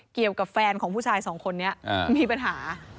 เกี่ยวกับแฟนของผู้ชายสองคนนี้มีปัญหา